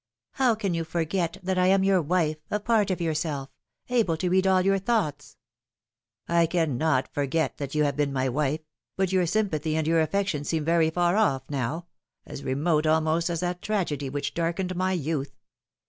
How can you forget that I am your wife, a part of yourself, able to read all your thoughts ?"" I cannot forget that you have been my wife ; but your sympathy and your affection seem very far off now as remote almost as that tragedy which darkened my youth.